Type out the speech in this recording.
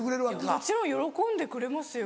もちろん喜んでくれますよ。